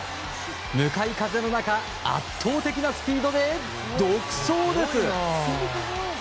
向かい風の中圧倒的なスピードで独走です。